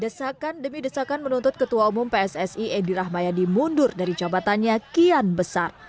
desakan demi desakan menuntut ketua umum pssi edi rahmayadi mundur dari jabatannya kian besar